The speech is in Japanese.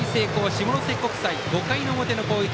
下関国際５回の表の攻撃。